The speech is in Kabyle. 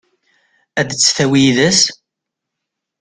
Ad tt-tawi yid-s?